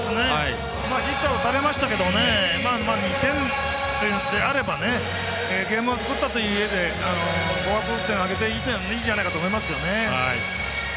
ヒットは打たれましたけど２点であればゲームを作ったということで合格点をあげていいんじゃないかと思いますね。